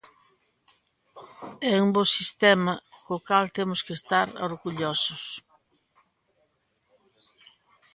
É un bo sistema, co cal temos que estar orgullosos.